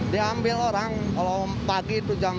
diambil orang kalau pagi itu jam dua an